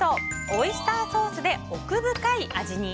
オイスターソースで奥深い味に！